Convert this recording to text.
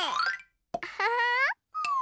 アハハー！